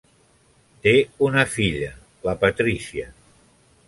Té una filla, la Patrícia.